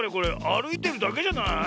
あるいてるだけじゃない？